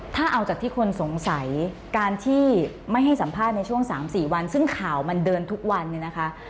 ถ้าเอาจากที่คนสงสัยการที่ไม่ให้สัมภาษณ์ในช่วง๓๔วันซึ่งข่าวมันเดินทุกวันเนี่ยนะคะ